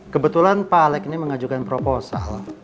kebetulan pak alex ini mengajukan proposal